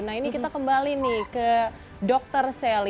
nah ini kita kembali nih ke dr sally